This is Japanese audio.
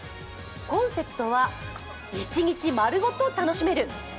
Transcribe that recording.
コンセプトは一日丸ごと楽しめる。